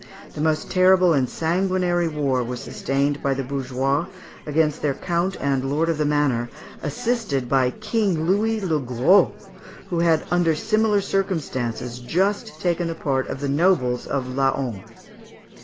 The most terrible and sanguinary war was sustained by the bourgeois against their count and lord of the manor, assisted by King Louis le Gros, who had under similar circumstances just taken the part of the nobles of Laon.